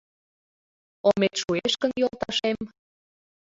Омет шуэш гын, йолташем